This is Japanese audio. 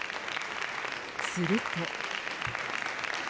すると。